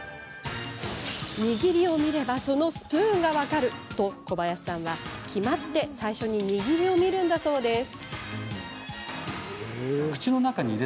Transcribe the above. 握りを見れば、そのスプーンが分かると小林さんは決まって最初に握りを見るんだそうです。